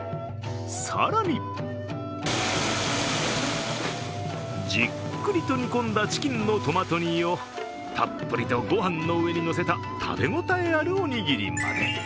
更にじっくりと煮込んだチキンのトマト煮をたっぷりとご飯の上にのせた食べ応えのあるおにぎりまで。